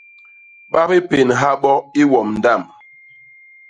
Ba bipénha bo i wom ndamb.